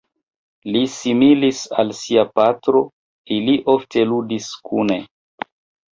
Li similis al sia patro, ili ofte ludis kune.